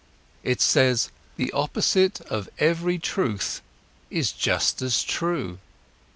It says: The opposite of every truth is just as true!